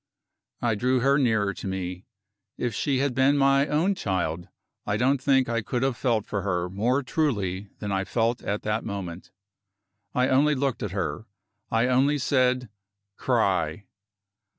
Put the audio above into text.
I drew her nearer to me. If she had been my own child, I don't think I could have felt for her more truly than I felt at that moment. I only looked at her; I only said: "Cry!"